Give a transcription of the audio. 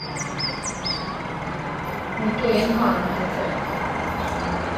Mae gên lân 'da ti.